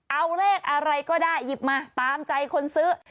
เอาเลขอะไรก็ได้หยิบมาตามใจคนซื้อ